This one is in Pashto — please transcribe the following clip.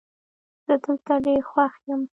زه دلته ډېر خوښ یم